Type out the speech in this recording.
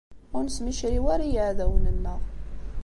Ur nesmicriw ara i yiɛdawen-nneɣ.